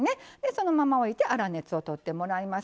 そのまま置いて粗熱をとってもらいます。